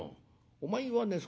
お前はね